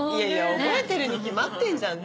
覚えてるに決まってんじゃんね。